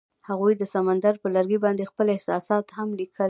هغوی د سمندر پر لرګي باندې خپل احساسات هم لیکل.